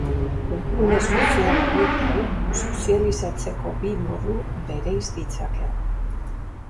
Webgune sozial hauetan sozializatzeko bi modu bereiz ditzakegu.